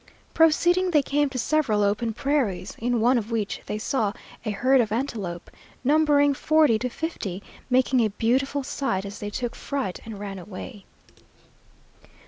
Proceeding they came to several open prairies, in one of which they saw a herd of antelope, numbering forty to fifty, making a beautiful sight as they took fright and ran away.